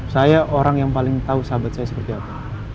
saya orang yang paling tahu sahabat saya seperti apa